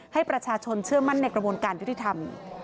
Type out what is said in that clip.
ให้ประชาชนเชื่อมั่นในกระบวนการยุติธรรม